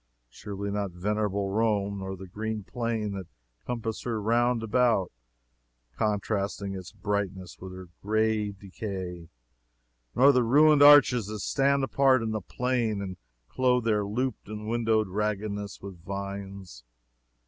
Surely not venerable Rome nor the green plain that compasses her round about, contrasting its brightness with her gray decay nor the ruined arches that stand apart in the plain and clothe their looped and windowed raggedness with vines.